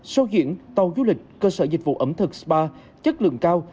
show diễn tàu du lịch cơ sở dịch vụ ẩm thực spa chất lượng cao